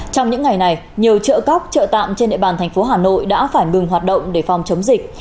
trong những ngày này nhiều chợ cóc chợ tạm trên địa bàn thành phố hà nội đã phải ngừng hoạt động để phòng chống dịch